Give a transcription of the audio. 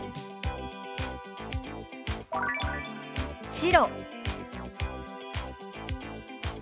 「白」。